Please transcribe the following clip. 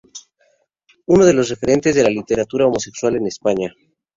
Es uno de los referentes de la literatura homosexual en España.